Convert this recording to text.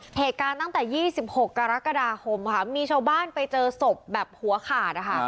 อเมริกาตั้งแต่๒๖กรกฎาคมมีชาวบ้านไปเจอศพแบบหัวขาด